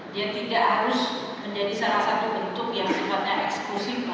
dia tidak harus menjadi salah satu bentuk yang sifatnya eksklusif